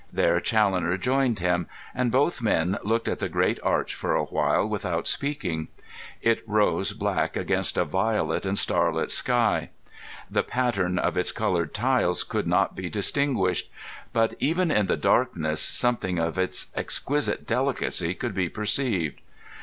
There Challoner joined him, and both men looked at the great arch for a while without speaking. It rose black against a violet and starlit sky. The pattern of its coloured tiles could not be distinguished; but even in the darkness something of its exquisite delicacy could be perceived.